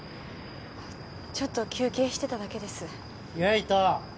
ちょっと休憩してただけです・唯斗